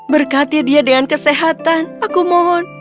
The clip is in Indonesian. berkati dia dengan kesehatan aku mohon